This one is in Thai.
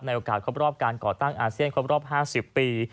โอกาสครบรอบการก่อตั้งอาเซียนครบรอบ๕๐ปี